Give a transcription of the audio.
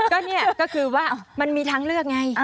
ก็เนี่ยก็คือว่ามันมีทางเลือกไง